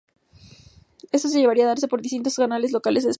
Eso se llevaría a darse por distintos canales locales de España.